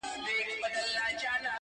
o له عالمه ووزه، له نرخه ئې مه وزه٫